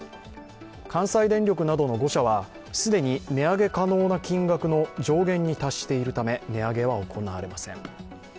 関西電力などの５社は、既に値上げ可能な金額の上限に達しているため値上げは行われません。